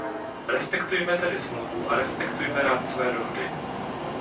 Respektujme tedy Smlouvu a respektujme rámcové dohody.